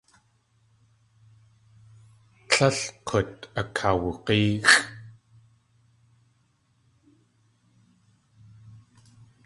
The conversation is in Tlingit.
Tlél k̲ut akawug̲éexʼ.